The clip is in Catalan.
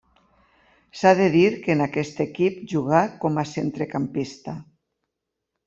S'ha de dir que en aquest equip jugà com a centrecampista.